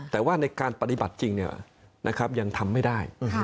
แต่ว่าในการปฏิบัติจริงยังทำไม่ได้